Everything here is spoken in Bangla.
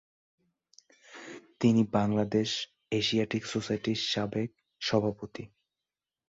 তিনি বাংলাদেশ এশিয়াটিক সোসাইটির সাবেক সভাপতি।